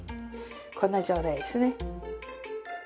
こんな状態ですね。